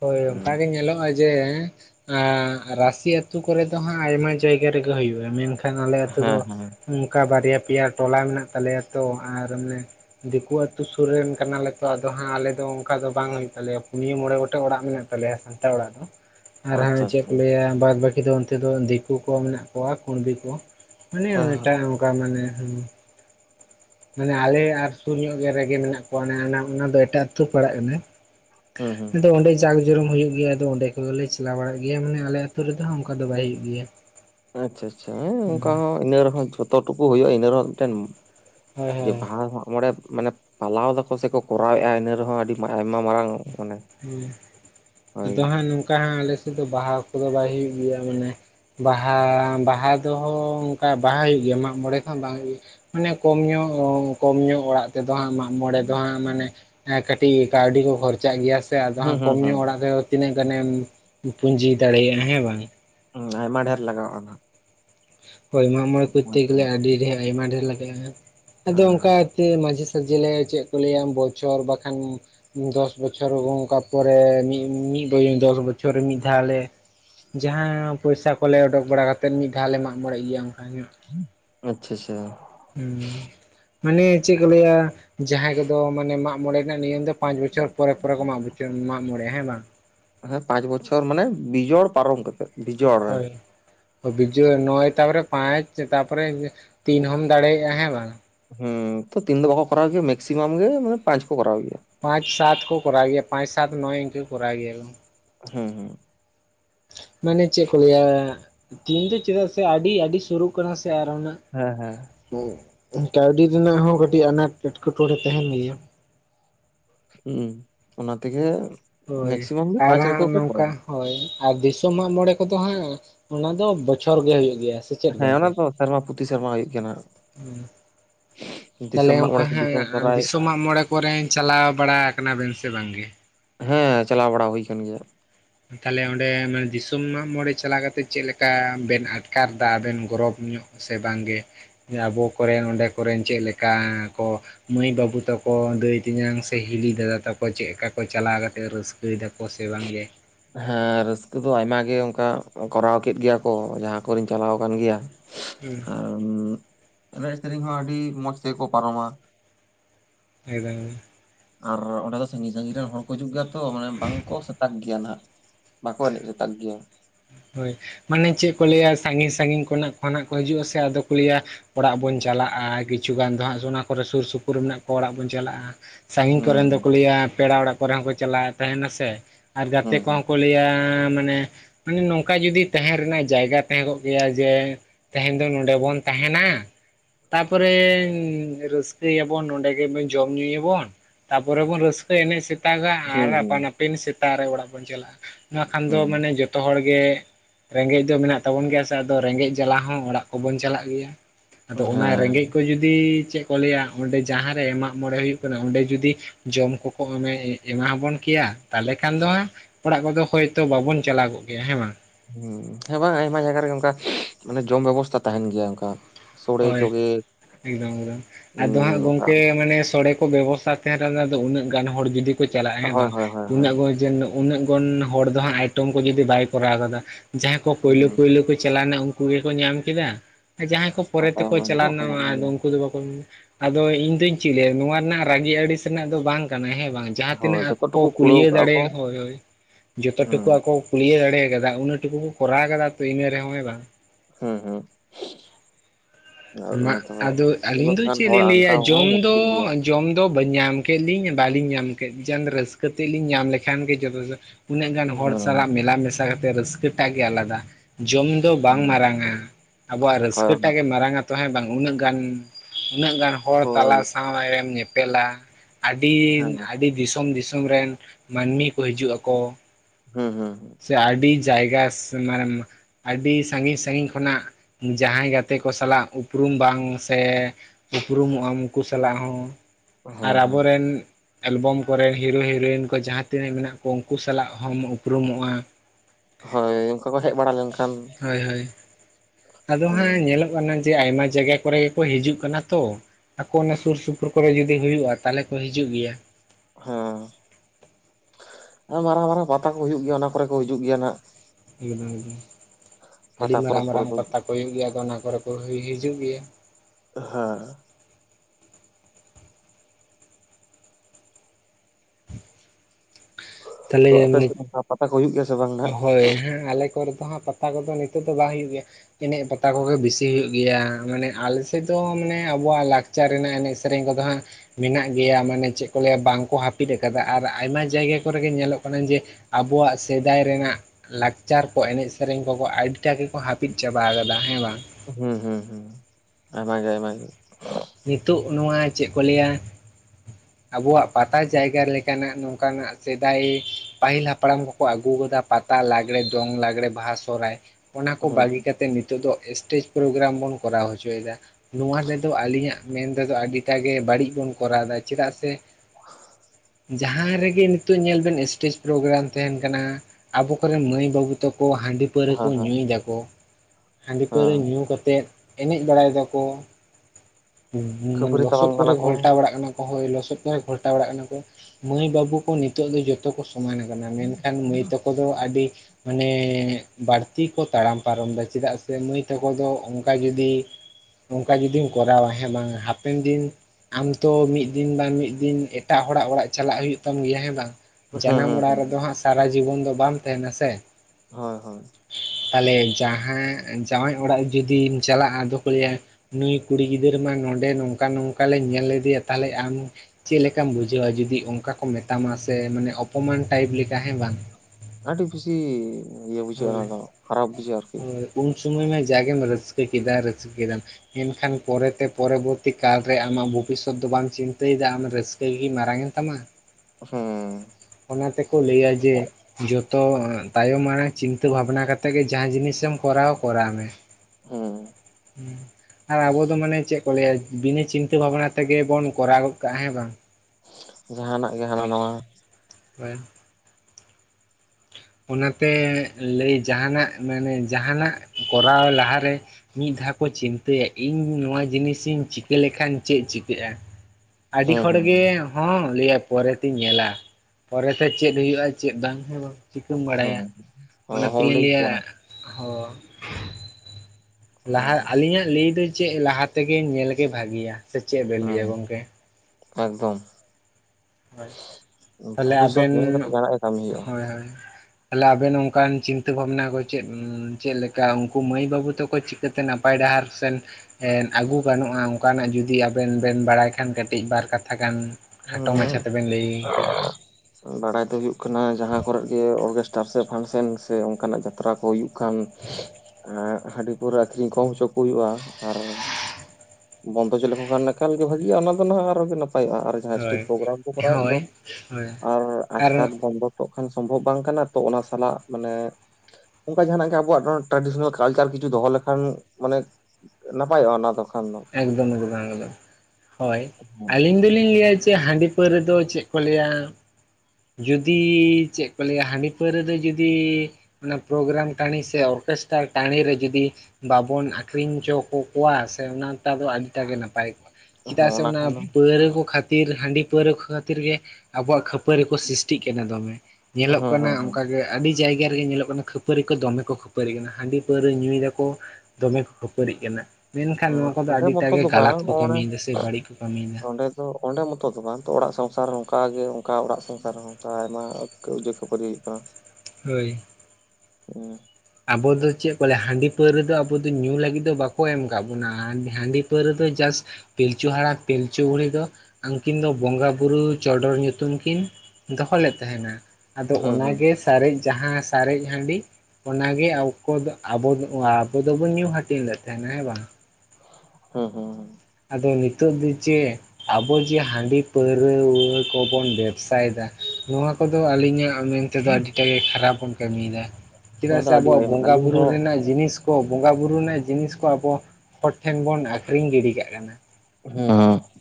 ᱦᱳᱭ ᱚᱱᱠᱟ ᱦᱮᱸ ᱜᱮ ᱧᱮᱞᱚᱜ-ᱟ, ᱡᱮ ᱨᱟᱥᱤ ᱟᱹᱛᱩ ᱠᱚᱨᱮ ᱫᱚ ᱦᱟᱸᱜ ᱟᱭᱢᱟ ᱡᱟᱭᱜᱟ ᱨᱮᱜᱮ ᱦᱩᱭᱩᱜ-ᱟ ᱢᱮᱱᱠᱷᱟᱱ ᱠᱷᱟᱱ ᱟᱞᱮ ᱟᱛᱩ ᱫᱚ ᱦᱮᱸ ᱦᱮᱸ ᱚᱱᱠᱟ ᱵᱟᱨᱭᱟ ᱯᱮᱭᱟ ᱴᱚᱞᱟ ᱢᱮᱱᱟᱜ ᱛᱟᱞᱮᱭᱟ ᱛᱚ ᱟᱨ ᱚᱱᱮ ᱫᱤᱠᱩ ᱟᱛᱩ ᱥᱩᱨ ᱨᱮᱱ ᱠᱟᱱᱟᱞᱮ ᱛᱚ ᱟᱫᱚ ᱦᱟᱸᱜ ᱟᱞᱮ ᱫᱚ ᱚᱱᱠᱟ ᱫᱚ ᱵᱟᱝ ᱦᱩᱭᱩᱜ ᱛᱟᱞᱮᱭᱟ ᱯᱩᱱᱭᱟᱹ ᱢᱚᱬᱮ ᱜᱚᱴᱮᱡ ᱚᱲᱟᱜ ᱢᱮᱱᱟᱜ ᱛᱟᱞᱮᱭᱟ ᱥᱟᱱᱛᱟᱲ ᱚᱲᱟᱜ ᱫᱚ ᱟᱨ ᱦᱚᱸ ᱟᱪᱪᱷᱟ ᱪᱮᱫ ᱟᱪᱪᱷᱟ ᱠᱚ ᱞᱟᱹᱭᱟ ᱵᱟᱫ ᱵᱟᱹᱠᱤ ᱫᱚ, ᱛᱮᱫᱚ ᱫᱤᱠᱩ ᱠᱚ ᱢᱮᱱᱟᱜ ᱠᱚᱣᱟ ᱠᱩᱬᱵᱤ ᱠᱚ ᱢᱟᱱᱮ ᱦᱮᱸ ᱮᱴᱟᱜ ᱚᱱᱠᱟ ᱢᱟᱱᱮ ᱢᱟᱱᱮ ᱟᱞᱮ ᱟᱨ ᱥᱩᱨ ᱧᱚᱜ ᱨᱮᱜᱮ ᱢᱮᱱᱟᱜ ᱠᱚᱣᱟ ᱚᱱᱮ ᱚᱱᱟ ᱚᱱᱟ ᱫᱚ ᱮᱴᱟᱜ ᱟᱹᱛᱩ ᱯᱟᱲᱟᱜ ᱠᱟᱱᱟ᱾ ᱦᱮᱸ ᱦᱮᱸ ᱟᱫᱚ ᱚᱸᱰᱮ ᱡᱟᱠ ᱡᱚᱨᱚᱢ ᱦᱩᱭᱩᱜ ᱜᱮᱭᱟ ᱟᱫᱚ ᱚᱸᱰᱮ ᱠᱚᱜᱮᱞᱮ ᱪᱟᱞᱟᱣ ᱵᱟᱲᱟᱜ ᱜᱮᱭᱟ, ᱢᱟᱱᱮ ᱟᱞᱮ ᱟᱛᱳ ᱨᱮᱫᱚ ᱦᱟᱸᱜ ᱚᱱᱠᱟ ᱫᱚ ᱵᱟᱭ ᱦᱩᱭᱩᱜ ᱜᱮᱭᱟ᱾ ᱟᱪᱪᱷᱟ ᱟᱪᱪᱷᱟ ᱦᱮᱸ ᱚᱱᱠᱟ ᱦᱩᱸ ᱦᱚᱸ ᱤᱱᱟᱹ ᱨᱮᱦᱚᱸ ᱡᱷᱚᱛᱚ ᱴᱩᱠᱩ ᱦᱩᱭᱩᱜ-ᱟ ᱤᱱᱟᱹ ᱨᱮᱦᱚᱸ ᱢᱤᱫᱴᱮᱱ [UNINTELLIGIBLE] ᱡᱮ ᱵᱟᱦᱟ ᱢᱟᱜ ᱢᱚᱬᱮ ᱢᱟᱱᱮ ᱯᱟᱞᱟᱣ ᱫᱟᱠᱚ ᱥᱮ ᱠᱚᱨᱟᱣ ᱮᱫ-ᱟ ᱤᱱᱟᱹ ᱨᱮᱦᱚᱸ ᱟᱹᱰᱤ ᱢᱟ ᱟᱭᱢᱟ ᱢᱟᱨᱟᱜ ᱦᱮᱸ ᱦᱳᱭ ᱟᱫᱚ ᱦᱟᱸᱜ ᱱᱚᱝᱠᱟ ᱦᱟᱸᱜ ᱟᱞᱮ ᱥᱮᱫ ᱥᱮᱫ ᱫᱚ ᱵᱟᱦᱟ ᱠᱚᱫᱚ ᱵᱟᱭ ᱦᱩᱭᱩᱜ ᱜᱮᱭᱟ ᱢᱟᱱᱮ ᱵᱟᱦᱟ ᱵᱟᱦᱟ ᱫᱚᱦᱚᱸ ᱚᱱᱠᱟ ᱵᱟᱦᱟ ᱦᱩᱭᱩᱜ ᱜᱮᱭᱟ ᱢᱟᱜ ᱢᱚᱬᱮ ᱠᱚᱦᱚᱸ ᱵᱟᱝ ᱦᱩᱭᱩᱜ ᱢᱟᱱᱮ ᱠᱚᱢ ᱧᱚᱜ ᱠᱚᱢ ᱧᱚᱜ ᱚᱲᱟᱜ ᱛᱮᱫᱚ ᱦᱟᱸᱜ ᱢᱟᱜ ᱢᱚᱬᱮ ᱫᱚ ᱦᱟᱸᱜ ᱢᱟᱱᱮ ᱮᱸᱜ ᱠᱟᱹᱴᱤᱡ ᱠᱟᱹᱣᱰᱤ ᱠᱚ ᱠᱷᱚᱨᱪᱟᱜ ᱜᱮᱭᱟ ᱥᱮ ᱟᱫᱚ ᱦᱩᱸ ᱦᱟᱸᱜ ᱦᱩᱸ ᱠᱚᱢ ᱦᱩᱸ ᱧᱚᱜ ᱚᱲᱟᱜ ᱨᱮᱦᱚ ᱛᱤᱱᱟᱹᱜ ᱜᱟᱱᱮᱢ ᱯᱩᱸᱡᱤ ᱫᱟᱲᱮᱭᱟᱜ-ᱟ ᱦᱮᱸ ᱵᱟᱝ ᱦᱩ ᱟᱭᱢᱟ ᱰᱷᱮᱨ ᱞᱟᱜᱟᱣᱚᱜ-ᱟ ᱱᱟᱦᱟᱜ ᱦᱳᱭ ᱢᱟᱜ ᱢᱚᱬᱮ ᱠᱚᱨᱛᱮ ᱦᱮᱸ ᱜᱮᱞᱮ ᱟᱹᱰᱤ ᱰᱷᱮᱨ ᱟᱭᱢᱟ ᱰᱷᱮᱨ ᱞᱟᱜᱟᱜ-ᱟ ᱦᱟᱸᱜ ᱟᱫᱚ ᱚᱱᱠᱟ ᱛᱮ ᱢᱟᱡᱷᱮ ᱥᱟᱡᱷᱮ ᱞᱮ ᱪᱮᱫ ᱠᱚ ᱞᱟᱹᱭᱟ ᱵᱚᱪᱷᱚᱨ ᱵᱟᱠᱷᱟᱱ ᱫᱚᱥ ᱵᱚᱪᱷᱚᱨ ᱚᱱᱠᱟ ᱯᱚᱨᱮ ᱢᱤᱫ ᱢᱤᱫ [UNINTELLIGIBLE] ᱫᱚᱥ ᱵᱚᱪᱷᱚᱨ ᱨᱮ ᱢᱤᱫ ᱫᱷᱟᱣ ᱞᱮ ᱡᱟᱦᱟᱸ ᱯᱚᱭᱥᱟ ᱠᱚᱞᱮ ᱚᱰᱚᱠ ᱵᱟᱲᱟ ᱠᱟᱛᱮᱫ ᱢᱤᱫ ᱫᱷᱟᱣ ᱞᱮ ᱢᱟᱜ ᱢᱚᱬᱮᱜ ᱜᱮᱭᱟ ᱚᱱᱠᱟ ᱧᱚᱸᱜ ᱟᱪᱪᱷᱟ ᱟᱪᱪᱷᱟ ᱦᱩᱸ ᱢᱟᱱᱮ ᱪᱮᱫ ᱠᱚ ᱞᱟᱹᱭᱟ ᱡᱟᱦᱟᱸᱭ ᱠᱚᱫᱚ ᱢᱟᱱᱮ ᱢᱟᱜ ᱢᱚᱬᱮ ᱨᱮᱱᱟᱜ ᱱᱤᱭᱚᱢ ᱫᱚ ᱯᱟᱸᱪ ᱵᱚᱪᱷᱚᱨ ᱯᱚᱨᱮ ᱯᱚᱨᱮ ᱠᱚ ᱢᱟᱜ ᱵᱚᱪᱚᱜ-ᱟ ᱢᱟᱜ ᱢᱚᱬᱮ ᱦᱮᱸ ᱵᱟᱝ ᱦᱮᱸ ᱯᱟᱸᱪ ᱵᱚᱪᱷᱚᱨ ᱢᱟᱱᱮ ᱵᱤᱡᱳᱲ ᱯᱟᱨᱚᱢ ᱠᱟᱛᱮᱫ ᱵᱤᱡᱚᱲ ᱨᱮ ᱦᱳᱭ ᱵᱤᱡᱚᱭ ᱱᱚᱭ ᱛᱟᱯᱚᱨᱮ ᱯᱟᱸᱪ ᱛᱟᱯᱚᱨᱮ ᱛᱤᱱ ᱦᱚᱢ ᱫᱟᱲᱮᱭᱟᱜ-ᱟ ᱦᱮᱸ ᱵᱟᱝ? ᱦᱩᱸ ᱛᱚ ᱛᱤᱱ ᱫᱚ ᱵᱟᱠᱚ ᱠᱚᱨᱟᱣ ᱜᱮᱭᱟ ᱢᱮᱠᱥᱤᱢᱟᱢ ᱜᱮ ᱢᱟᱱᱮ ᱯᱟᱸᱪ ᱠᱚ ᱠᱚᱨᱟᱣ ᱜᱮᱭᱟ ᱯᱟᱸᱪ ᱥᱟᱛ ᱠᱚ ᱠᱚᱨᱟᱣ ᱜᱮᱭᱟ ᱯᱟᱸᱪ ᱥᱟᱛ ᱱᱚᱭ ᱤᱱᱠᱟᱹ ᱠᱚ ᱠᱚᱨᱟᱣ ᱜᱮᱭᱟ ᱠᱚ ᱦᱩᱸᱻ ᱢᱟᱱᱮ ᱪᱮᱫ ᱠᱚ ᱞᱟᱹᱭᱟ ᱫᱤᱱ ᱫᱚ ᱪᱮᱫᱟᱜ ᱥᱮ ᱟᱹᱰᱤ ᱟᱹᱰᱤ ᱥᱩᱨᱩᱜ ᱠᱟᱱᱟ ᱥᱮ ᱟᱨ ᱚᱱᱟ ᱦᱮᱸ ᱦᱮᱸ [UNINTELLIGIBLE] ᱠᱟᱹᱣᱰᱤ ᱨᱮᱱᱟᱜ ᱦᱚᱸ ᱠᱟᱹᱴᱤᱡ ᱟᱱᱟᱴ ᱮᱴᱠᱮᱴᱚᱬᱮ ᱛᱟᱦᱮᱱ ᱜᱮᱭᱟ ᱦᱩᱸ ᱚᱱᱟ ᱛᱮᱜᱮ ᱦᱳᱭ ᱢᱮᱠᱥᱤᱢᱟᱢ ᱜᱮ ᱟᱨ ᱯᱟᱸᱪ ᱨᱮᱜᱮ ᱦᱟᱸᱜ ᱠᱚ ᱱᱚᱝᱠᱟ ᱯᱟᱨᱚᱢᱟ ᱦᱳᱭ ᱟᱨ ᱫᱤᱥᱚᱢ ᱢᱟᱜ ᱢᱚᱬᱮ ᱠᱚᱫᱚ ᱦᱟᱸᱜ ᱚᱱᱟ ᱫᱚ ᱵᱚᱪᱷᱚᱨ ᱜᱮ ᱦᱩᱭᱩᱜ ᱜᱮᱭᱟ ᱥᱮ ᱪᱮᱫ ᱦᱮᱸ ᱚᱱᱟ ᱫᱚ ᱥᱮᱨᱢᱟ ᱯᱩᱛᱤ ᱥᱮᱨᱢᱟ ᱦᱩᱭᱩᱜ ᱜᱮᱭᱟ ᱚᱱᱟ ᱦᱮᱸ ᱛᱟᱦᱚᱞᱮ ᱚᱱᱠᱟ ᱢᱚᱬᱮ ᱥᱮ ᱦᱟᱸᱜ ᱫᱤᱥᱚᱢ ᱥᱚᱦᱨᱟᱭ ᱫᱤᱥᱚᱢ ᱢᱟᱜ ᱢᱚᱬᱮ ᱠᱚᱨᱮ ᱪᱟᱞᱟᱣ ᱵᱟᱲᱟ ᱟᱠᱟᱱᱟ ᱵᱮᱱ ᱥᱮ ᱵᱟᱝ ᱜᱮ? ᱦᱮᱸ ᱪᱟᱞᱟᱣ ᱵᱟᱲᱟ ᱦᱩᱭ ᱠᱟᱱ ᱜᱮᱭᱟ ᱛᱟᱦᱚᱞᱮ ᱚᱸᱰᱮ ᱢᱟᱱᱮ ᱫᱤᱥᱚᱢ ᱢᱟᱜ ᱢᱚᱬᱮ ᱪᱟᱞᱟᱣ ᱠᱟᱛᱮ ᱪᱮᱫ ᱞᱮᱠᱟ ᱵᱮᱱ ᱟᱴᱠᱟᱨ ᱫᱟ ᱟᱵᱮᱱ ᱜᱚᱨᱚᱵᱽ ᱧᱚᱜ ᱥᱮ ᱵᱟᱝᱜᱮ ᱟᱵᱚ ᱠᱚᱨᱮᱱ ᱚᱸᱰᱮ ᱠᱚᱨᱮᱱ ᱪᱮᱫ ᱞᱮᱠᱟ ᱠᱚ ᱢᱟᱹᱭ ᱵᱟᱹᱵᱩ ᱛᱟᱠᱚ ᱫᱟᱹᱭ ᱛᱮᱧᱟᱝ ᱥᱮ ᱦᱤᱞᱤ ᱫᱟᱫᱟ ᱛᱟᱠᱚ ᱪᱮᱜᱠᱟ ᱠᱚ ᱪᱟᱞᱟᱣ ᱠᱟᱛᱮ ᱨᱟᱹᱥᱠᱟᱹ ᱼᱠᱟᱹᱭ ᱮᱫᱟᱠᱚ ᱥᱮ ᱵᱟᱝᱜᱮ? ᱦᱮᱸ ᱨᱟᱹᱥᱠᱟᱹ ᱫᱚ ᱟᱭᱢᱟ ᱜᱮ ᱚᱱᱠᱟ ᱠᱚᱨᱟᱣ ᱠᱮᱫ ᱜᱮᱭᱟ ᱠᱚ ᱡᱟᱦᱟᱸ ᱠᱚᱨᱮᱧ ᱪᱟᱞᱟᱣ ᱟᱠᱟᱱ ᱜᱮᱭᱟ ᱦᱩᱸ ᱟᱨ ᱮᱱᱮᱡ ᱥᱮᱨᱮᱧ ᱦᱚᱸ ᱟᱹᱰᱤ ᱢᱚᱸᱡᱽ ᱛᱮᱜᱮᱠᱚ ᱯᱟᱨᱚᱢᱟ ᱮᱠᱫᱚᱢ ᱟᱨ ᱚᱸᱰᱮ ᱫᱚ ᱥᱟᱺᱜᱤᱧ ᱥᱟᱺᱜᱤᱧ ᱨᱮᱱ ᱦᱚᱲ ᱠᱚ ᱦᱤᱡᱩᱜ ᱜᱮᱭᱟ ᱛᱚ ᱢᱟᱱᱮ ᱵᱟᱝᱠᱚ ᱥᱮᱛᱟᱜ ᱜᱮᱭᱟ ᱱᱟᱦᱟᱜ ᱵᱟᱠᱚ ᱮᱱᱮᱡ ᱥᱮᱛᱟᱜ ᱜᱮᱭᱟ ᱦᱳᱭ ᱢᱟᱱᱮ ᱪᱮᱫ ᱠᱚ ᱞᱟᱹᱭᱟ ᱥᱟᱺᱜᱤᱧ ᱥᱟᱺᱜᱤᱧ ᱠᱷᱚᱱᱟᱜ ᱠᱷᱚᱱᱟᱜ ᱠᱚ ᱦᱤᱡᱩᱜᱼᱟ ᱥᱮ ᱟᱫᱚ ᱠᱚ ᱞᱟᱹᱭᱟ ᱚᱲᱟᱜ ᱵᱚᱱ ᱪᱟᱞᱟᱜᱼᱟ ᱠᱤᱪᱷᱩ ᱜᱟᱱ ᱫᱚ ᱦᱟᱸᱜ ᱚᱱᱟ ᱠᱚᱨᱮ ᱥᱩᱨ ᱥᱩᱯᱩᱨ ᱢᱮᱱᱟᱜ ᱠᱚᱣᱟ ᱚᱲᱟᱜ ᱵᱚᱱ ᱪᱟᱞᱟᱜᱼᱟ ᱥᱟᱺᱜᱤᱧ ᱠᱚᱨᱮᱱ ᱦᱩᱸ ᱫᱚᱠᱚ ᱞᱟᱹᱭᱟ ᱯᱮᱲᱟ ᱚᱲᱟᱜ ᱠᱚᱨᱮ ᱦᱚᱸᱠᱚ ᱪᱟᱞᱟᱣ ᱛᱟᱦᱮᱱᱟ ᱥᱮ ᱟᱨ ᱜᱟᱛᱮ ᱦᱩᱸ ᱠᱚᱦᱚᱸ ᱠᱚ ᱞᱟᱹᱭᱟ ᱢᱟᱱᱮ ᱢᱟᱱᱮ ᱱᱚᱝᱠᱟ ᱡᱩᱫᱤ ᱛᱟᱦᱮᱸ ᱨᱮᱱᱟᱜ ᱡᱟᱭᱜᱟ ᱛᱟᱦᱮᱸ ᱠᱚᱜ ᱠᱮᱭᱟ ᱡᱮ ᱛᱮᱦᱮᱧ ᱫᱚ ᱱᱚᱰᱮ ᱵᱚᱱ ᱛᱟᱦᱮᱱᱟ ᱛᱟᱯᱚᱨᱮ ᱨᱟᱹᱥᱠᱟᱹᱭᱟᱵᱚᱱ ᱱᱚᱰᱮᱜᱮ ᱡᱚᱢ ᱧᱩᱭᱟᱵᱚᱱ ᱛᱯ ᱯᱚᱨᱮ ᱵᱚᱱ ᱨᱟᱹᱥᱠ ᱮᱱᱮᱡ ᱥᱮᱛᱟᱜᱟ ᱟᱨ ᱦᱩᱸ ᱦᱩᱸ ᱟᱯᱟᱱ ᱟᱹᱯᱤᱱ ᱥᱮᱛᱟᱜ ᱨᱮ ᱚᱲᱟᱜ ᱵᱚᱱ ᱪᱟᱞᱟᱜᱼᱟ ᱱᱚᱣᱟᱠᱷᱟᱱ ᱫᱚ ᱦᱩᱸ ᱢᱟᱱᱮ ᱡᱚᱛᱚ ᱡᱚᱛᱚ ᱦᱚᱲ ᱜᱮ ᱨᱮᱸᱜᱮᱡ ᱫᱚ ᱢᱮᱱᱟᱜ ᱛᱟᱵᱚᱱ ᱜᱮᱭᱟ ᱥᱮ ᱟᱫᱚ ᱨᱮᱸᱜᱮᱡ ᱡᱟᱞᱟ ᱦᱚᱸ ᱚᱲᱟᱜ ᱠᱚᱵᱚᱱ ᱪᱟᱞᱟᱜ ᱜᱮᱭᱟ ᱟᱫᱚ ᱚᱱᱟ ᱦᱮᱸ ᱨᱮᱸᱜᱮᱡ ᱠᱚ ᱡᱩᱫᱤ ᱪᱮᱫ ᱠᱚ ᱞᱟᱹᱭᱟ ᱚᱸᱰᱮ ᱡᱟᱦᱟᱸᱨᱮ ᱢᱟᱜ ᱢᱚᱬᱮ ᱦᱩᱭᱩᱜ ᱠᱟᱱᱟ ᱚᱸᱰᱮ ᱡᱩᱫᱤ ᱡᱚᱢ ᱠᱚᱠᱚᱮ ᱮᱢᱟᱣᱟᱵᱚᱱ ᱠᱮᱭᱟ ᱛᱟᱦᱞᱮ ᱠᱷᱟᱱ ᱫᱚ ᱦᱟᱸᱜ ᱚᱲᱟᱜ ᱠᱚᱫᱚ ᱦᱳᱭᱛᱳ ᱵᱟᱵᱚᱱ ᱪᱟᱞᱟᱣ ᱠᱚᱜ ᱜᱮᱮᱭᱟ ᱦᱮᱸ ᱵᱟᱝ ᱦᱮᱸ ᱦᱮᱸ ᱵᱟᱝ ᱟᱭᱢᱟ ᱡᱟᱭᱜᱟ ᱨᱮᱜᱮ ᱚᱱᱠᱟ ᱢᱟᱱᱮ ᱡᱚᱢ ᱵᱮᱵᱚᱥᱛᱛᱟ ᱛᱟᱦᱮᱱ ᱜᱮᱭᱟ ᱚᱱᱠᱟ ᱥᱚᱲᱮ ᱦᱳᱭ ᱠᱚᱜᱮ ᱮᱠᱫᱚᱢ ᱮᱠᱫᱚᱢ ᱟᱫᱚ ᱦᱟᱸᱜ ᱩᱸ ᱚᱱᱠᱟ ᱜᱚᱝᱠᱮ ᱢᱟᱱᱮ ᱥᱚᱲᱮ ᱠᱚ ᱵᱮᱵᱚᱥᱛᱟ ᱛᱟᱦᱮᱸ ᱞᱮᱫᱚ ᱩᱱᱟᱹᱜ ᱜᱟᱱ ᱦᱚᱲ ᱡᱩᱫᱤ ᱠᱚ ᱪᱟᱞᱟᱜᱼᱟ ᱦᱮᱸ ᱦᱳᱭ ᱵᱟᱝ ᱦᱳᱭ ᱦᱳᱭ ᱦᱳᱭ ᱩᱱᱟᱹᱜ ᱜ ᱡᱮᱱ ᱩᱱᱟᱹᱜ ᱜᱟᱱ ᱦᱚᱲ ᱫᱚ ᱦᱟᱸᱜ ᱟᱭᱴᱮᱢ ᱠᱚ ᱡᱩᱫᱤ ᱵᱟᱭ ᱠᱚᱨᱟᱣ ᱠᱟᱫᱟ ᱡᱟᱦᱟᱸᱭ ᱠᱚ ᱯᱳᱞᱳ ᱦᱩᱸ ᱯᱳᱞᱳ ᱠᱚ ᱪᱟᱞᱟᱣᱮᱱᱟ ᱩᱱᱠᱩ ᱩᱱᱠᱩ ᱜᱮᱠᱚ ᱧᱟᱢ ᱠᱮᱫᱟ ᱡᱟᱦᱟᱸᱭ ᱠᱚ ᱯᱚᱨᱮ ᱦᱟᱛᱟᱭ ᱛᱮᱠᱚ ᱮᱢᱟᱱ ᱫᱚ ᱵᱟᱠᱚ ᱧᱟᱢ ᱪᱟᱞᱟᱣᱱᱟ ᱟᱫᱚ ᱫᱟᱲᱮᱭᱟᱜᱼᱟ᱾ ᱩᱱᱠᱩ ᱫᱚᱠᱚ ᱵᱟᱠᱚ ᱢᱮᱱ [UNINTELLIGIBLE] ᱟᱫᱚ ᱤᱧ ᱫᱩᱧ ᱪᱮᱫᱹᱞᱟᱭ ᱟ ᱱᱚᱣᱟ ᱨᱮᱱᱟᱜ ᱨᱟᱹᱜᱤ ᱟᱹᱲᱤᱥ ᱨᱮᱱᱟᱜ ᱫᱚ ᱵᱟᱝ ᱠᱟᱱᱟ ᱦᱮᱸ ᱵᱟᱝ ᱡᱟᱦᱟᱸ ᱦᱳᱭ ᱛᱤᱱᱟᱹᱜ ᱟᱠᱚ ᱡᱚᱛᱚ ᱠᱚ ᱴᱩᱠᱩ ᱠᱩᱲᱟᱹᱣ ᱠᱩᱞᱤᱭᱟᱹᱟᱹ ᱠᱟᱜᱼᱟ ᱫᱟᱲᱮ ᱠᱚ ᱦᱟᱠᱳᱭᱟ ᱦᱳᱭ ᱡᱚᱛ ᱴᱩᱠᱩ ᱦᱩᱸ ᱟᱠᱚ ᱯᱩᱞᱤᱭᱟᱹ ᱫᱟᱲᱮ ᱠᱟᱫᱟ ᱩᱱᱟᱹ ᱴᱩᱠᱩ ᱠᱚᱨᱟᱣ ᱠᱟᱫᱟ ᱛᱚ ᱤᱱᱟᱹ ᱨᱮ ᱦᱚᱸᱚᱸᱭ ᱵᱟᱝ ᱦᱩ ᱦᱩ ᱢᱟ ᱟᱫᱚ ᱟᱹᱞᱤᱧ ᱩᱱᱟᱹᱜ ᱫᱚ ᱜᱟᱱ ᱪᱮᱫ ᱦᱚᱲ ᱞᱤᱧ ᱞᱟᱹᱭᱟ ᱟᱱᱴᱟᱣ ᱦᱚᱸ ᱡᱚᱢ ᱫᱚ ᱢᱩᱥᱠᱤᱞ ᱜᱮᱭᱟ ᱡᱚᱢ ᱫᱚ ᱧᱟᱢ ᱠᱮᱫ ᱞᱤᱧ ᱵᱟᱹᱞᱤᱧ ᱧᱟᱢ ᱠᱮᱫ ᱡᱟ ᱨᱟᱹᱥᱠᱟᱹ ᱛᱮ ᱞᱤᱧ ᱧᱟᱢ ᱞᱮᱠᱷᱟᱱ ᱜᱮ ᱡᱚᱛᱚ ᱫᱚ ᱩᱱᱟᱹᱜ ᱜᱟᱱ ᱦᱚᱲ ᱦᱩᱸ ᱥᱟᱞᱟᱜ ᱢᱮᱞᱟ ᱢᱮᱥᱟ ᱠᱟᱛᱮ ᱨᱟᱹᱥᱠᱟᱹᱴᱟᱜ ᱜᱮ ᱟᱞᱟᱫᱟ ᱡᱚᱢ ᱫᱚ ᱵᱟᱝ ᱦᱩᱸ ᱢᱟᱨᱟᱝᱟ ᱟᱵᱚᱣᱟᱜ ᱦᱳᱭ ᱨᱟᱹᱥᱠᱟᱹᱴᱟᱜ ᱜᱮ ᱢᱟᱨᱟᱝᱼᱟ ᱛᱚ ᱦᱮᱸ ᱵᱟᱝ ᱩᱱᱟᱹᱜ ᱜᱟᱱ ᱩᱱᱟᱹᱜ ᱜᱟᱱ ᱦᱚᱲ ᱦᱳᱭ ᱛᱟᱞᱟ ᱥᱟᱶ ᱨᱮᱢ ᱧᱮᱯᱮᱞᱟ ᱟᱹᱰᱤ ᱦᱮᱸ ᱟᱹᱰᱤ ᱫᱤᱥᱚᱢ ᱫᱤᱥᱚᱢ ᱨᱮᱱ ᱢᱟᱹᱱᱢᱤ ᱠᱚ ᱦᱤᱡᱩᱜ ᱟᱠᱚ ᱦᱩᱸ ᱦᱩᱸ ᱦᱩᱹ ᱥᱮ ᱟᱹᱰᱤ ᱡᱟᱭᱜᱟ ᱢᱟᱱᱮ ᱟᱹᱰᱤ ᱥᱟᱺᱜᱤᱧ ᱥᱟᱺᱜᱤᱧ ᱠᱷᱚᱱᱟᱜ ᱡᱟᱦᱟᱸᱭ ᱜᱟᱛᱮ ᱠᱚ ᱥᱟᱞᱟᱜ ᱩᱯᱨᱩᱢ ᱵᱟᱝ ᱥᱮ ᱩᱯᱨᱩᱢᱚᱜᱼᱟ ᱩᱱᱠᱩ ᱥᱟᱞᱟᱜ ᱦᱚᱸ ᱦᱮᱸ ᱟᱨ ᱦᱮᱸ ᱟᱵᱚᱨᱮᱱ ᱨᱮᱱ ᱮᱞᱵᱟᱢ ᱠᱚᱨᱮᱱ ᱦᱤᱨᱳ ᱦᱤᱨᱳᱭᱤᱱ ᱠᱚ ᱡᱟᱦᱟᱸ ᱛᱤᱱᱟᱹᱜ ᱢᱮᱱᱟᱜ ᱠᱚ ᱩᱱᱠᱩ ᱥᱟᱞᱟᱜ ᱦᱚᱢ ᱩᱯᱨᱩᱢᱚᱜᱼᱟ ᱦᱳᱭ ᱚᱱᱠᱟ ᱠᱚ ᱦᱮᱡ ᱵᱟᱲᱟ ᱞᱮᱱᱠᱷᱟᱱ ᱦᱳᱭ ᱦᱳᱭ ᱟᱫᱚ ᱦᱩᱸ ᱦᱟᱸᱜ ᱧᱮᱞᱚᱜ ᱠᱟᱱᱟ ᱡᱮ ᱟᱭᱢᱟ ᱡᱟᱭᱜᱟ ᱠᱚᱨᱮ ᱜᱮᱠᱚ ᱦᱤᱡᱩᱜ ᱠᱟᱱᱟ ᱛᱚ ᱟᱠᱚ ᱚᱱᱟ ᱥᱩᱨ ᱥᱩᱯᱩᱨ ᱠᱚᱨᱮ ᱡᱩᱫᱤ ᱦᱩᱭᱩᱜᱼᱟ ᱛᱟᱦᱚᱞᱮ ᱠᱚ ᱦᱤᱡᱩᱜ ᱜᱮᱭᱟ ᱦᱮᱸ ᱟᱨ ᱢᱟᱨᱟᱝ ᱢᱟᱨᱟᱝ ᱯᱟᱛᱟ ᱠᱚ ᱦᱩᱭᱩᱜ ᱜᱮᱭᱟ ᱚᱱᱟ ᱠᱚᱨᱮ ᱠᱚ ᱦᱤᱡᱩᱜ ᱜᱮᱭᱟ ᱱᱟᱜ [UNINTELLIGIBLE] ᱟᱹᱰᱤ ᱯᱟᱛᱟ ᱯᱚᱨᱚᱵᱽ ᱢᱟᱨᱟᱝ ᱠᱚᱨᱮ ᱢᱟᱨᱟᱝ ᱯᱟᱛᱟ ᱠᱚ ᱦ ᱦᱩᱭᱩᱜ ᱜᱮᱭᱟ ᱟᱫᱚ ᱚᱱᱟ ᱠᱚᱨᱮ ᱠᱚ ᱦᱩᱭ ᱦᱤᱡᱩᱜ ᱜᱮᱭᱟ ᱦᱮᱸ ᱛᱚ ᱛᱟᱦᱚᱞᱮ ᱟᱯᱮ ᱢᱟᱱᱮ ᱥᱮᱫ ᱯᱟᱛᱟ ᱠᱚ ᱦᱩᱭᱩᱜ ᱜᱮᱭᱟ ᱥᱮ ᱵᱟᱝ ᱱᱟᱜ ᱦᱳᱭ ᱦᱮᱸ ᱟᱞᱮ ᱠᱚᱨᱮ ᱫᱚ ᱦᱟᱸᱜ ᱯᱟᱛᱟᱷᱟ ᱠᱚᱫᱚ ᱱᱤᱛᱳᱜ ᱫᱚ ᱵᱟᱝ ᱦᱩᱭᱩᱜ ᱜᱮᱭᱟ ᱮᱱᱮᱡ ᱯᱟᱛᱟ ᱠᱚᱜᱮ ᱵᱮᱥᱤ ᱦᱩᱭᱩᱜ ᱜᱮᱭᱟ ᱢᱟᱱᱮ ᱟᱞ ᱥᱮᱫ ᱫᱚ ᱢᱟᱱᱮ ᱟᱵᱚᱣᱟᱜ ᱞᱟᱠ ᱪᱟᱨ ᱨᱮᱱᱟᱜ ᱮᱱᱮᱡ ᱥᱮᱨᱮᱧ ᱠᱚᱫᱚ ᱦᱟᱸᱜ ᱢᱮᱱᱟᱜ ᱜᱮᱭᱟ ᱢᱟᱱᱮ ᱪᱮᱫ ᱠᱚ ᱞᱟᱹᱭᱟ ᱵᱟᱝᱠᱚ ᱦᱟᱹᱯᱤᱫ ᱠᱟᱫᱟ ᱟᱨ ᱟᱭᱢᱟ ᱡᱟᱭᱜᱟ ᱠᱚᱨᱮᱜᱮ ᱧᱮᱞᱚᱜ ᱠᱟᱱᱟ ᱡᱮ ᱟᱵᱚᱣᱟᱜ ᱥᱮ ᱥᱮᱫᱟᱭ ᱨᱮᱱᱟᱜ ᱞᱟᱠᱪᱟᱨ ᱠᱚ ᱮᱱᱮᱡ ᱥᱮᱨᱮᱧ ᱠᱚᱠᱚ ᱟᱹᱰᱤᱴᱟ ᱜᱮᱠᱚ ᱦᱟᱹᱯᱤᱫ ᱪᱟᱵᱟ ᱟᱠᱟᱫᱟ ᱦᱮᱸ ᱵᱟᱝ ᱦᱩᱸ ᱦᱩᱸ ᱦᱩᱸ ᱟᱭᱢᱟ ᱜᱮ ᱟᱭᱢᱟ ᱜᱮ ᱱᱤᱛᱚᱜ ᱱᱚᱣᱟ ᱪᱮᱫ ᱠᱚ ᱞᱟᱹᱭᱟ ᱟᱵᱚᱣᱟᱜ ᱯᱟᱛᱟ ᱡᱟᱭᱜᱟ ᱞᱮᱠᱟᱱᱟᱜ ᱱᱚᱝᱠᱟᱱᱟᱜ ᱥᱮᱫᱟᱭ ᱯᱟᱹᱦᱤᱞ ᱦᱟᱯᱲᱟᱢ ᱠᱚ ᱟᱹᱜᱩ ᱠᱟᱫᱟ ᱯᱟᱛᱟ ᱞᱟᱜᱽᱲᱮ ᱫᱚᱝ ᱞᱟᱜᱽᱲᱮ ᱵᱟᱦᱟ ᱥᱚᱦᱦᱟᱭ ᱚᱱᱟ ᱠᱚ ᱦᱩᱸ ᱵᱟᱹᱜᱤ ᱠᱟ ᱠᱟᱛᱮᱤᱛᱚᱜ ᱱᱤᱛᱚᱜ ᱫᱚ ᱥᱴᱮᱮᱡ ᱯᱨᱳᱜᱨᱟᱢ ᱵᱚᱱ ᱠᱚᱨᱟᱣ ᱦᱚᱪᱚᱭᱮᱫᱟ ᱱᱚᱣᱟ ᱨᱮᱫᱚ ᱟᱹᱞᱤᱧᱟᱜ ᱢᱮᱱ ᱛᱮᱫᱚ ᱟᱹᱰᱤᱴᱟᱜᱮ ᱵᱟᱹᱲᱤᱡ ᱵᱚᱱ ᱠᱚᱨᱟᱣᱫᱟ ᱪᱮᱫᱟᱜ ᱥᱮ ᱡᱟᱦᱟᱸ ᱨᱮᱜᱮ ᱱᱤᱛᱚᱜ ᱧᱮᱞ ᱵᱮᱱ ᱥᱥᱴᱮᱡᱽ ᱯᱨᱳᱜᱨᱟᱢ ᱛᱟᱦᱮᱱ ᱠᱟᱱᱟ ᱟᱵᱚ ᱠᱚᱨᱮᱱ ᱢᱟᱹᱭ ᱵᱟᱹᱵᱩ ᱛᱟᱠᱚ ᱦᱟᱺᱰᱤ ᱦᱟᱺ ᱯ ᱯᱟᱟᱹᱣᱨᱟᱹ ᱠᱚ ᱦᱮᱸ ᱦᱮᱸ ᱧᱩᱭᱮᱫᱫᱟᱠᱚ ᱦᱟᱺᱰᱤ ᱯᱟᱹᱣᱨᱟᱹ ᱦᱮᱸ ᱧᱩ ᱠᱟᱛᱮᱫ ᱮᱱᱮᱡ ᱵᱟᱲᱟᱭ ᱫᱟᱠᱚ, ᱢᱟᱱᱮ ᱠᱷᱟᱹᱯᱟᱹᱨᱤ ᱞᱚᱥᱚᱫ ᱛᱟᱯᱟᱢ ᱠᱚᱨᱮ ᱠᱟᱱᱟ ᱠᱚ ᱜᱷᱚᱞᱴᱟᱣ ᱵᱟᱲᱟᱜ ᱠᱟᱱᱟ ᱦᱚᱭ ᱞᱚᱥᱚᱫ ᱠᱚᱨᱮ ᱜᱷᱚᱞᱴᱟᱣ ᱵᱟᱲᱟᱜ ᱠᱟᱱᱟ ᱠᱚ ᱢᱟᱹᱭ ᱵᱟᱹᱵᱩ ᱠᱚ ᱱᱤᱛᱚᱜ ᱫᱚ ᱡᱚᱛᱚ ᱠᱚ ᱥᱚᱢᱟᱱ ᱟᱠᱟᱱᱟ ᱢᱮᱱᱠᱷᱟᱱ ᱢᱟᱹᱭ ᱛᱟᱠᱚ ᱫᱚ ᱟᱹᱰᱤ ᱢᱟᱱᱮ ᱵᱟᱹᱲᱛᱤ ᱠᱚ ᱛᱟᱲᱟᱢ ᱯᱟᱨᱚᱢ ᱫᱟ ᱪᱮᱫᱟᱜ ᱥᱮ ᱢᱟᱹᱭ ᱛᱟᱠᱚ ᱫᱚ ᱚᱱᱠᱟ ᱡᱩᱫᱤ ᱚᱱᱠᱟ ᱡᱩᱫᱤᱢ ᱠᱚᱨᱟᱣᱟ ᱦᱮᱸ ᱵᱟᱝᱟ ᱦᱟᱯᱮᱱ ᱫᱤᱱ ᱟᱢ ᱛᱚ ᱢᱤᱫ ᱢᱤᱫ ᱫᱤᱱ ᱵᱟᱝ ᱢᱤᱫ ᱫᱤᱱ ᱮᱴᱟᱜ ᱦᱚᱲᱟᱜ ᱚᱲᱟᱜ ᱪᱟᱞᱟᱜ ᱦᱩᱭᱩᱜ ᱛᱟᱢ ᱜᱮᱭᱟ ᱦᱮᱸ ᱵᱟᱝ ᱦᱩᱸ ᱡᱟᱱᱟᱢ ᱦᱩᱸ ᱚᱲᱟᱜ ᱦᱩᱸ ᱨᱮᱫᱚ ᱦᱟᱸᱜ ᱥᱟᱨᱟ ᱡᱤᱵᱚᱱ ᱫᱚ ᱵᱟᱢ ᱛᱟᱦᱮᱱᱟ ᱥᱮ ᱦᱳᱭ ᱦᱳᱭ ᱛᱟᱦᱚᱞᱮ ᱡᱟᱦᱟᱸ ᱡᱟᱶᱟᱭ ᱚᱲᱟᱜ ᱡᱩᱫᱤᱢ ᱪᱟᱞᱟᱜᱼᱟ ᱟᱫᱚ ᱠᱚ ᱞᱟᱹᱭᱟ ᱱᱩᱭ ᱠᱩᱲᱤ ᱜᱤᱫᱟᱹᱨ ᱢᱟ ᱱᱚᱰᱮ ᱱᱚᱝᱠᱟ ᱱᱚᱝᱠᱟ ᱞᱮ ᱧᱮᱞ ᱞᱮᱫᱮᱭᱟ ᱛᱟᱦᱞᱮ ᱟᱢ ᱪᱮᱫ ᱞᱮᱠᱟᱢ ᱵᱩᱡᱷᱟᱹᱣᱟ ᱡᱚᱫᱤ ᱚᱱᱠᱟ ᱠᱚ ᱢᱮᱛᱟᱢᱟ ᱥᱮ ᱢᱟᱱᱮ ᱚᱯᱚᱢᱟᱱ ᱴᱟᱭᱤᱯ ᱞᱮᱠᱟ ᱦᱮᱸ ᱵᱟᱝ ᱟᱹᱰᱤ ᱵᱤᱥᱤ ᱤᱭᱟᱹ ᱵᱩᱡᱷᱟᱹᱜᱣᱟᱼᱟ ᱚᱱᱟ ᱦᱳᱭ ᱫᱚ ᱠᱷᱟᱨᱟᱯ ᱵᱩᱡᱷᱟᱹᱜᱼᱟ ᱟᱨᱠᱤ ᱦᱳᱭ ᱩᱱ ᱥᱚᱢᱚᱭ ᱢᱟ ᱡᱟᱜᱮ ᱨᱟᱹᱥᱠᱟᱹ ᱠᱮᱫᱟ ᱨᱟᱹᱥᱠᱟᱹ ᱠᱮᱫᱟᱢ ᱢᱮᱱᱠᱷᱟᱱ ᱯᱚᱨᱮᱛᱮ ᱯᱚᱨᱚᱵᱚᱨᱛᱤ ᱠᱟᱞᱨᱮ ᱟᱢᱟᱜ ᱵᱷᱚᱵᱤᱥᱥᱚᱛ ᱫᱚ ᱵᱟᱢ ᱪᱤᱱᱛᱟᱹᱭᱮᱫᱟ ᱟᱢ ᱨᱟᱹᱥ ᱡᱜᱮ ᱢᱟᱨᱟᱝᱮᱱ ᱛᱟᱢᱟ ᱦᱮᱸ ᱚᱱᱟ ᱛᱮᱠᱚ ᱞᱟᱹᱭᱟ ᱡᱮ ᱡᱚᱛᱚ ᱛᱟᱭᱚᱢ ᱢᱟᱲᱟᱝ ᱪᱤᱱᱛᱟᱹ ᱵᱷᱟᱵᱱᱟ ᱠᱟᱛᱮᱫ ᱜᱮ ᱡᱟᱦᱟᱸ ᱡᱤᱱᱤᱥ ᱮᱢ ᱠᱚᱨᱟᱣᱟ ᱠᱚᱨᱟᱣ ᱢᱮ ᱦᱩᱸ [INAUDIBLE] ᱟᱨ ᱟᱵᱚ ᱫᱚ ᱢᱟᱱᱮ ᱪᱮᱫ ᱠᱚ ᱞᱟᱹᱭᱟ ᱵᱤᱱᱟᱹ ᱪᱤᱱᱛᱟᱹ ᱵᱷᱟᱵᱱᱟ ᱛᱮᱜᱮ ᱵᱚᱱ ᱠᱚᱨᱟᱣ ᱜᱚᱫ ᱠᱟᱜᱼᱟ ᱦᱮᱸ ᱵᱟᱝ ᱡᱟᱦᱟᱱᱟᱜ ᱜᱮ ᱦᱟᱱᱟ ᱱᱚᱣᱟ ᱦᱳᱭ ᱚᱱᱟᱛᱮ ᱞᱟᱹᱭ ᱡᱟᱦᱟᱱᱟᱜ ᱢᱟᱱᱮ ᱡᱟᱦᱟᱱᱟᱜ ᱠᱚᱨᱟᱣ ᱞᱟᱦᱟᱨᱮ ᱢᱤᱫ ᱫᱷᱟᱣ ᱠᱚ ᱪᱤᱱᱛᱟᱹᱭᱟ ᱤᱧ ᱱᱚᱣᱟ ᱡᱤᱱᱤᱥ ᱤᱧ ᱪᱤᱠᱟᱹ ᱞᱮᱠᱷᱟᱱ ᱪᱮᱫ ᱪᱤᱠᱟᱹᱜᱼᱟ ᱟᱹᱰᱤ ᱦᱩᱸ ᱦᱚᱲ ᱦᱩᱸ ᱜᱮ ᱦᱚᱸ ᱞᱟᱹᱭ ᱯᱚᱨᱮᱛᱧ ᱧᱮᱞᱟ ᱯᱚᱨᱮᱛᱮ ᱪᱮᱫ ᱦᱩᱭᱩᱜᱼᱟ ᱪᱮᱫ ᱵᱟᱝ ᱦᱮᱸ ᱵᱟᱝ ᱪᱤᱠᱟᱹᱢ ᱵᱟᱲᱟᱭᱟ ᱦᱩᱸ ᱚᱱᱟ ᱚᱦᱚᱢ ᱛᱮᱞᱤᱧ ᱞᱟᱹᱭ ᱠᱮᱭᱟ ᱞᱟᱹᱭᱟ ᱦᱚᱸ ᱦᱮᱸ ᱞᱟᱦᱟ ᱟᱞᱤᱧᱟᱜ ᱞᱟᱹᱭ ᱫᱚ ᱪᱮᱫ ᱞᱟᱦᱟ ᱛᱮᱜᱮ ᱧᱮᱞᱜᱮ ᱵᱷᱟᱜᱮᱤᱭᱟ ᱥᱮ ᱪᱮᱫ ᱵᱮᱱ ᱞᱟᱹᱭᱟ ᱦᱮᱸ ᱜᱚᱝᱠᱮ ᱮᱠᱫᱚᱢ ᱦᱳᱭ ᱛᱟᱦᱞᱮ ᱵᱷᱚᱵᱤᱥᱥᱚᱛ ᱟᱵᱮᱱ, ᱧᱮᱞ ᱠᱟᱛᱮ ᱡᱟᱦᱟᱱᱟᱜ ᱜᱮ ᱠᱟᱹᱢᱤ ᱦᱩᱭᱩᱜᱼᱟ ᱦᱳᱭ ᱦᱳᱭ ᱛᱟᱦᱚᱞᱮ ᱟᱵᱮᱱ ᱚᱝᱠᱟᱱ ᱪᱤᱱᱛᱟᱹ ᱵᱷᱟᱵᱱᱟ ᱠᱚ ᱪᱮᱫ ᱪᱮᱫ ᱞᱮᱠᱟ ᱩᱱᱠᱩ ᱢᱟᱹᱭ ᱵᱟᱹᱵᱩ ᱛᱟᱠᱚ ᱡᱟᱛᱮ ᱱᱟᱯᱟᱭ ᱰᱟᱦᱟᱨ ᱥᱮᱱ ᱟᱹᱜᱩ ᱜᱟᱱᱚᱜᱼᱟ ᱚᱱᱠᱟᱱᱟᱜ ᱡᱩᱫᱤ ᱟᱵᱮᱱ ᱵᱮᱱ ᱵᱟᱲᱟᱭ ᱠᱷᱟᱱ ᱠᱟᱹᱴᱤᱡ ᱵᱟᱨ ᱠᱟᱛᱷᱟ ᱜᱟᱱ ᱠᱷᱟᱴᱚ ᱢᱟᱪᱷᱟ ᱦᱩᱸ ᱛᱮᱵᱮᱱ ᱞᱟᱹᱭ ᱠᱮᱭᱟ ᱵᱟᱲᱟᱭ ᱫᱚ ᱦᱩᱭᱩᱜ ᱠᱟᱱᱟ ᱡᱟᱦᱟᱸ ᱠᱚᱨᱮᱫ ᱜᱮ ᱚᱨᱠᱮᱥᱴᱟᱨ ᱥᱮ ᱯᱷᱟᱱᱥᱮᱱ ᱥᱮ ᱚᱱᱠᱟᱱᱟᱜ ᱡᱟ ᱛᱨᱟ ᱠᱚ ᱦᱩᱭᱩᱜ ᱠᱷᱟᱱ ᱮ ᱦᱟᱺᱰᱤ ᱯᱟᱹᱣᱨᱟᱹ ᱟᱹᱠᱷᱨᱤᱧ ᱠᱚ ᱦᱚᱪᱚ ᱠᱚ ᱦᱩᱭᱩᱜᱼᱟ ᱟᱨ ᱵᱚᱱᱫᱚ ᱦᱚᱪᱚ ᱞᱮᱠᱚ ᱠᱷᱟᱱ ᱮᱠᱟᱞ ᱜᱮ ᱵᱷᱟᱜᱤᱼᱟ ᱚᱱᱟ ᱫᱚ ᱱᱟᱦᱟᱜ ᱟᱨᱚ ᱜᱮ ᱱᱟᱯᱟᱭᱚᱜᱼᱟ ᱟᱨ ᱡᱟᱸᱦᱟ ᱥᱴᱮᱡᱽ ᱦᱳᱭ ᱯᱨᱳᱜᱨᱟᱢ ᱠᱚ ᱠᱚᱨᱟᱣᱮᱫ ᱫᱚ ᱦᱳᱭ ᱦᱳᱭ ᱟᱨ ᱟᱪᱠᱟ ᱫᱚ ᱵᱚᱱᱫᱚ ᱛᱚ ᱠᱷᱟᱱ ᱥᱚᱢᱵᱷᱚᱵ ᱵᱟᱝ ᱠᱟᱱᱟ ᱛᱚ ᱚᱱᱟ ᱥᱟᱞᱟᱜ ᱢᱟᱱᱮ ᱚᱱᱠᱟ ᱡᱟᱦᱟᱱᱟᱜ ᱜᱮ ᱟᱵᱚᱣᱟᱜ ᱴᱨᱟᱰᱤᱥᱚᱱᱟᱞ ᱠᱟᱞᱪᱟᱨ ᱠᱤᱪᱷᱩ ᱫᱚᱦᱚ ᱞᱮᱠᱷᱟᱱ ᱢᱟᱱᱮ ᱱᱟᱯᱟᱭᱚᱜᱼᱟ ᱚᱱᱟ ᱫᱚ ᱠᱷᱟᱱ ᱫᱚ ᱮᱠᱫᱚᱢ ᱮᱠᱫᱚᱢ ᱮᱠᱫᱚᱢ ᱦᱳᱭ ᱟᱹᱞᱤᱧ ᱫᱚᱞᱤᱧ ᱞᱟᱹᱭᱟ ᱡᱮ ᱦᱟᱺᱰᱤ ᱯᱟᱹᱣᱨᱟᱹ ᱫᱚ ᱪᱮᱫ ᱠᱚ ᱞᱟᱹᱭᱟ ᱡᱩᱫᱤ ᱪᱮᱫ ᱠᱚ ᱞᱟᱹᱭᱟ ᱦᱟᱺᱰᱤ ᱯᱟᱹᱣᱨᱟᱹ ᱫᱚ ᱡᱩᱫᱤ ᱚᱱᱟ ᱯᱨᱳᱜᱨᱟᱢ ᱴᱟᱺᱰᱤ ᱥᱮ ᱚᱨᱠᱮᱥᱴᱟᱨ ᱴᱟᱺᱰᱤ ᱨᱮ ᱡᱩᱫᱤ ᱵᱟᱵᱚᱱ ᱟᱠᱷᱨᱤᱧ ᱦᱟᱪᱚ ᱠᱚ ᱠᱚᱠᱚᱣᱟ ᱥᱮ ᱚᱱᱟ ᱴᱟᱜ ᱫᱚ ᱟᱹᱰᱤᱴᱟᱜ ᱜᱮ ᱱᱟᱯᱟᱭ ᱠᱚᱜᱼᱟ ᱦᱮᱸ ᱪᱮᱫᱟᱜ ᱥᱮ ᱠᱷᱟᱱ ᱚᱱᱟ ᱫᱚ ᱯᱟᱹᱣᱨᱟᱹ ᱠᱚ ᱠᱷᱟᱹᱛᱤᱨ ᱦᱟᱺᱰᱤ ᱯᱟᱹᱣᱨᱟᱹ ᱠᱚ ᱠᱷᱟᱹᱛᱤᱨ ᱜᱮ ᱟᱵᱚᱣᱟᱜ ᱠᱷᱟᱹᱯᱟᱹ ᱯᱟᱹᱨᱤ ᱠᱚ ᱥᱨᱤᱥᱴᱤᱜ ᱠᱟᱱᱟ ᱫᱚᱢᱮ ᱧᱮᱞᱚᱜ ᱦᱮᱸ ᱠᱟᱱᱟ ᱦᱮᱸ ᱦᱮᱸ ᱚᱱᱠᱟ ᱜᱮ ᱟᱹᱰᱤ ᱡᱟᱭᱜᱟ ᱨᱮᱜᱮ ᱧᱮᱞᱚᱜ ᱠᱟᱱᱟ ᱠᱷᱟᱹᱯᱟᱹᱨᱤ ᱠᱚ ᱫᱚᱢᱮ ᱠᱚ ᱠᱷᱟᱹᱯᱟᱹᱨᱤᱜ ᱠᱟᱱᱟ ᱦᱟᱺᱰᱤ ᱯᱟᱹᱣᱨᱟᱹ ᱧᱩᱭ ᱫᱟᱠᱚ ᱫᱚᱢᱮ ᱠᱚ ᱠᱷᱟᱹᱯᱟᱹᱨᱤᱜ ᱠᱟᱱᱟ ᱢᱮᱱᱠᱷᱟᱱ ᱱᱚᱣᱟ ᱠᱚᱫᱚ ᱚᱸᱰᱮ ᱟᱹᱰᱤᱴᱟᱜ ᱢᱚᱛᱚ ᱜᱮ ᱫᱚ ᱜᱟᱞᱟᱛ ᱵᱟᱝ ᱠᱚ ᱠᱟᱹᱢᱤᱭᱮᱫᱟ ᱥᱮ ᱵᱟᱹᱲᱤᱡ ᱠᱚ ᱠᱟᱹᱢᱤᱭᱮᱫᱟ ᱟᱫᱚ ᱚᱸᱰᱮ ᱢᱚᱛᱚ ᱫᱚ ᱵᱟᱝ ᱛᱚ ᱚᱲᱟᱜ ᱥᱚᱝᱥᱟᱨ ᱨᱮ ᱦᱚᱸ ᱚᱝᱠᱟ ᱜᱮ ᱚᱝᱠᱟ ᱚᱲᱟᱜ ᱥᱚᱝᱥᱟᱨ ᱨᱮ ᱚᱝᱠᱟ ᱟᱭᱢᱟ ᱠᱟᱹᱣᱡᱟᱹ ᱠᱷᱟᱹᱯᱟᱹᱨᱤ ᱦᱩᱭᱩᱜ ᱠᱟᱱᱟ [INAUDIBLE] ᱦᱳᱭ ᱩᱸ ᱟᱵᱚ ᱫᱚ ᱪᱮᱫ ᱵᱚᱞᱮ ᱦᱟᱺᱰᱤ ᱯᱟᱹᱣᱨᱟᱹ ᱫᱚ ᱟᱵᱚ ᱧᱩ ᱞᱟᱹᱜᱤᱫ ᱫᱚ ᱵᱟᱠᱚ ᱮᱢ ᱠᱟᱫ ᱵᱚᱱᱟ ᱦᱟᱺᱰᱤ ᱯᱟᱹᱣᱨᱟᱹ ᱫᱚ ᱡᱟᱥᱴ ᱯᱤᱞᱪᱩ ᱦᱟᱲᱟᱢ ᱯᱤᱞᱪᱩ ᱵᱩᱲᱦᱤ ᱫᱚ ᱩᱱᱠᱤᱱ ᱫᱚ ᱵᱚᱸᱜᱟᱼᱵᱩᱨᱩ ᱪᱚᱰᱚᱨ ᱧᱩᱛᱩᱢ ᱠᱤᱱ ᱫᱚᱦᱚ ᱞᱮᱫ ᱛᱟᱦᱮᱱᱟ ᱟᱫᱚ ᱦᱩᱸ ᱦᱩᱸ ᱚᱱᱟᱜᱮ ᱥᱟᱨᱮᱡ ᱡᱟᱦᱟᱸ ᱥᱟᱨᱮᱡ ᱦᱟᱺᱰᱤ ᱚᱱᱟᱜᱮ ᱟᱵᱚ ᱫᱚ ᱟᱵᱚ ᱫᱚ ᱟᱵᱚ ᱫᱚᱵᱚᱱ ᱧᱩ ᱦᱟᱹᱴᱤᱧ ᱞᱮᱫ ᱛᱟᱦᱮᱸᱱᱟ ᱦᱮᱸ ᱵᱟᱝ ᱦᱩᱸ ᱦᱩᱸ ᱦᱩᱸ ᱟᱫᱚ ᱱᱤᱛᱳ ᱫᱚ ᱪᱮᱫ ᱟᱵᱚ ᱡᱮ ᱦᱟᱺᱰᱤ ᱯᱟᱹᱣᱨᱟᱹ ᱠᱚᱵᱚᱱ ᱵᱮᱵᱽᱥᱟ ᱭᱮᱫᱟ ᱱᱚᱣᱟ ᱠᱚᱫᱚ ᱟᱹᱞᱤᱧᱟᱜ ᱢᱮᱱ ᱛᱮᱫᱚ ᱟᱹᱰᱤᱴᱟᱜ ᱜᱮ ᱠᱷᱟᱨᱟᱯ ᱵᱚᱱ ᱠᱟᱹᱢᱤᱭᱫᱟ ᱚᱱᱟ ᱪᱮᱫᱟᱜ ᱥᱮ ᱫᱚ ᱟᱹᱰᱤ ᱟᱵᱚᱣᱟᱜ ᱟᱭᱢᱟ ᱵᱚᱸᱜᱟ ᱟᱹᱞᱤᱧ ᱵᱩᱨᱩ ᱦᱚᱸ ᱨᱮᱱᱟᱜ ᱡᱤᱱᱤᱥ ᱠᱚ ᱵᱚᱸᱜᱟ ᱵᱩᱨᱩ ᱨᱮᱱᱟᱜ ᱡᱤᱱᱤᱥ ᱠᱚ ᱟᱵᱚ ᱦᱚᱲ ᱴᱷᱮᱱ ᱵᱚᱱ ᱟᱠᱷᱨᱤᱧ ᱜᱤᱰᱤ ᱠᱟᱜ ᱠᱟᱱᱟ [UNINTELLIGIBLE]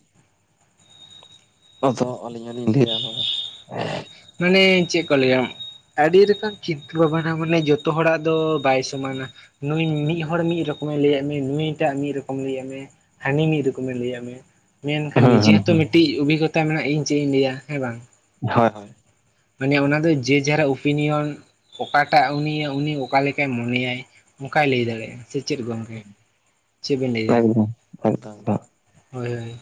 ᱟᱫᱚ ᱟᱹᱞᱤᱧ ᱦᱚᱸᱞᱤᱧ ᱞᱟᱹᱭᱟ ᱱᱚᱣᱟ ᱢᱟᱱᱮ ᱪᱮᱫ ᱠᱚ ᱞᱟᱹᱭᱟ ᱟᱹᱰᱤ ᱨᱚᱠᱚᱢ ᱪᱤᱱᱛᱟᱹ ᱵᱷᱟᱵᱱᱟ ᱢᱟᱱᱮ ᱡᱚᱛᱚ ᱦᱚᱲᱟᱜ ᱫᱚ ᱵᱟᱭ ᱥᱚᱢᱟᱱᱟ ᱱᱩᱭ ᱢᱤᱫ ᱦᱚᱲ ᱢᱤᱫ ᱨᱚᱠᱚ ᱠᱚᱢᱮ ᱞᱟᱹᱭᱟᱫ ᱢᱮᱭᱟ ᱱᱩᱭ ᱴᱟᱜ ᱢᱤᱫ ᱨᱚᱠᱚᱢᱮ ᱞᱟᱹᱭᱟᱜ ᱢᱮᱭᱟ ᱦᱟᱹᱱᱤ ᱢᱤᱫ ᱨᱚᱠᱚᱢᱮ ᱞᱟᱹᱭ ᱟᱫ ᱢᱮᱭᱟ ᱢᱮᱱᱠᱷᱟᱱ ᱦᱩᱸ ᱱᱤᱡᱮ ᱦᱩᱸ ᱦᱚᱸᱛᱚ ᱢᱤᱴᱤᱡ ᱚᱵᱷᱤᱜᱚᱛᱟ ᱢᱮᱱᱟᱜᱼᱟ ᱤᱧ ᱪᱮ ᱤᱧ ᱞᱟᱹᱭᱟ ᱦᱮᱸ ᱵᱟᱝ [UNINTELLIGIBLE] ᱢᱟᱱᱮ ᱚᱱᱟ ᱫᱚ ᱡᱮ ᱡᱟᱨᱟᱜ ᱳᱯᱤᱱᱤᱭᱚᱱ ᱚᱠᱟᱴᱟᱜ ᱩᱱᱤ ᱩᱱᱤ ᱚᱠᱟ ᱞᱮᱠᱟᱭ ᱢᱚᱱᱮᱭᱟᱭ ᱚᱝᱠᱟᱭ ᱞᱟᱹᱭ ᱦᱩᱸ ᱫᱟᱲᱮᱭᱟᱜᱼᱟ ᱥᱮ ᱪᱮᱫ ᱜᱚᱝᱠᱮ ᱦᱩᱸ ᱪᱮᱫ ᱵᱮᱤᱱ ᱞᱟᱹᱭᱫᱟ ᱮᱠᱫᱚᱢ ᱮᱠᱫᱚᱢ ᱦᱳᱭ ᱦᱳᱭ